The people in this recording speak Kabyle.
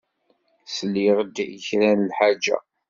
Sliɣ-d i kra n lḥaǧa.